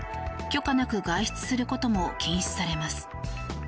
許可なく外出することも禁止されます。